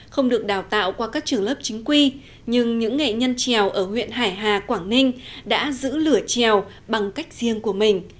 không được đào tạo qua các trường lớp chính quy nhưng những nghệ nhân trèo ở huyện hải hà quảng ninh đã giữ lửa trèo bằng cách riêng của mình